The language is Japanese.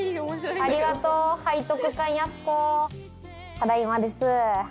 ただいまです。